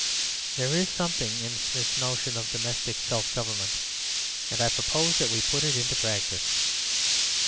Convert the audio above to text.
There IS something in Smith's notion of domestic self government; and I propose that we put it into practice.